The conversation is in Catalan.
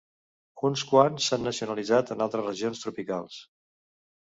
Uns quants s'han nacionalitzat en altres regions tropicals.